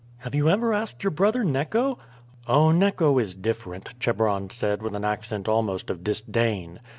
"Have you ever asked your brother Neco?" "Oh, Neco is different," Chebron said with an accent almost of disdain.